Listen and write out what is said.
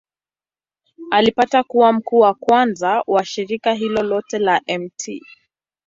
Alipata kuwa mkuu wa kwanza wa shirika hilo lote la Mt.